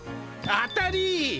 当たり！